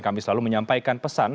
kami selalu menyampaikan pesan